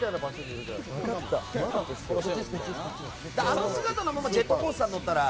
あの姿のままジェットコースターに乗ったら。